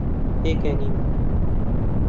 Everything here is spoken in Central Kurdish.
پێکەنیم.